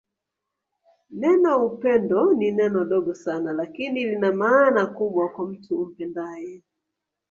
Neno upendo ni neno dogo Sana lakini Lina maana kubwa kwa mtu umpendae